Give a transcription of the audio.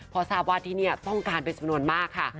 เพราะทราบว่าที่เนี่ยต้องการเป็นสมนตร์มากค่ะ